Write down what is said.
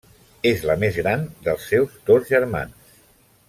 És la més gran dels seus dos germans.